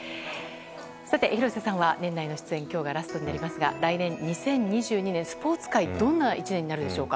さて、廣瀬さんは年内の出演今日がラストになりますが来年２０２２年はスポーツ界はどんな１年になるでしょうか。